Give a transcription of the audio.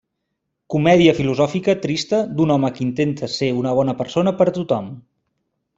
Comèdia filosòfica trista d'un home que intenta ser una bona persona per a tothom.